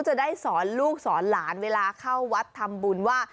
จะได้สอนลูกสอนหลานเวลาเข้าวัดทำบุญว่า